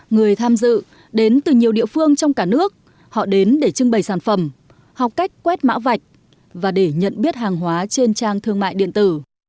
người tham dự đến từ nhiều địa phương trong cả nước họ đến để trưng bày sản phẩm học cách quét mã vạch và để nhận biết hàng hóa trên trang thương mại điện tử